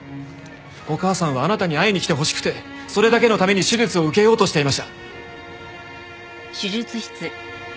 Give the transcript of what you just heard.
お母さんはあなたに会いに来てほしくてそれだけのために手術を受けようとしていました。